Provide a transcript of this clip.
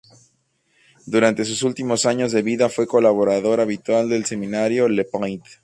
Durante sus últimos años de vida fue colaborador habitual del semanario "Le Point".